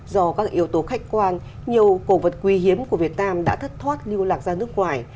do các yếu tố khách quan nhiều cổ vật quý hiếm của việt nam đã thất thoát lưu lạc ra nước ngoài